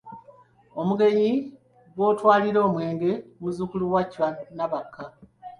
Omugenyi gw’otwalira omwenge muzzukulu wa Chwa Nabakka.